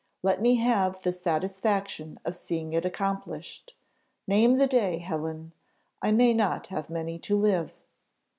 Let me have the satisfaction of seeing it accomplished; name the day, Helen, I may not have many to live."